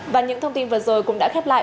và những thông tin vừa rồi cũng đã khép lại